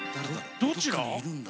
どちら？